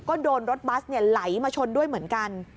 ก็โดนรถบัสไหลมาชนด้วยเหมือนกัน